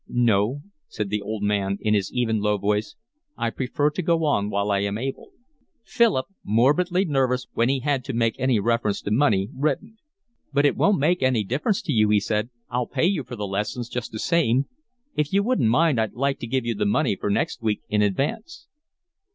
"No," said the old man, in his even low voice. "I prefer to go on while I am able." Philip, morbidly nervous when he had to make any reference to money, reddened. "But it won't make any difference to you," he said. "I'll pay for the lessons just the same. If you wouldn't mind I'd like to give you the money for next week in advance."